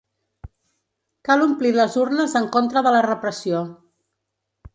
Cal omplir les urnes en contra de la repressió.